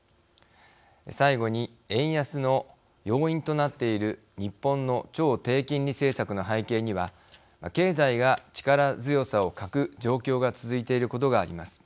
最後に円安の要因となっている日本の超低金利政策の背景には経済が力強さを欠く状況が続いていることがあります。